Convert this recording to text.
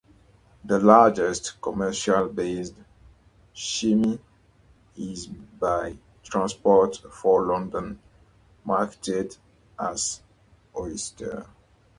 The largest commercial-based scheme is by Transport for London, marketed as "Oyster".